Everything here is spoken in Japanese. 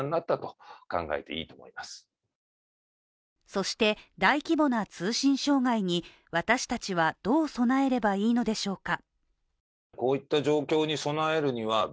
そして大規模な通信障害に私たちはどう備えればいいのでしょうか。